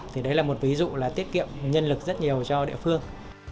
thì đấy là một ví dụ là tiết kiệm nhân lực rất nhiều cho địa phương